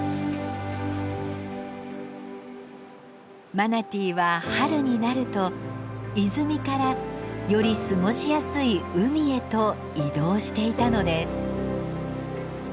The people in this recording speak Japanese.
マナティーは春になると泉からより過ごしやすい海へと移動していたのです。